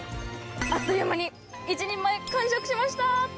あっという間に、１人前、完食しました。